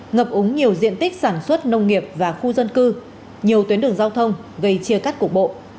ngập úng nhiều diện tích sản xuất nông nghiệp và khu dân cư nhiều tuyến đường giao thông gây chia cắt cục bộ